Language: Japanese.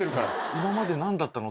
今まで何だったの？